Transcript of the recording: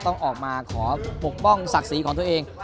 ต้องออกมาขอปกป้องศักดิ์ศรีของตัวเอง